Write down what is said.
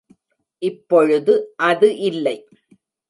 இப்பொழுது அது இல்லை.